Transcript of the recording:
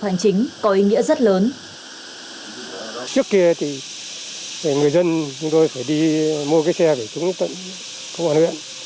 hành chính có ý nghĩa rất lớn trước kia thì người dân chúng tôi phải đi mua cái xe để chúng công an huyện